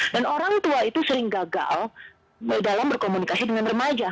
dan orang tua itu sering gagal dalam berkomunikasi dengan remaja